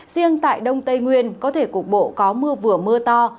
riêng tại đông tây nguyên có thể cục bộ có mưa vừa mưa to